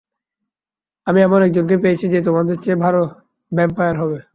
আমি এমন একজনকে পেয়েছি যে তোমাদের চেয়ে ভাল ভ্যাম্পায়ার হবে!